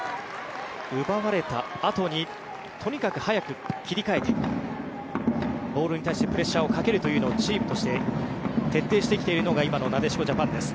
奪われたあとにとにかく早く切り替えてボールに対してプレッシャーをかけるというのをチームとして徹底してきているのが今のなでしこジャパンです。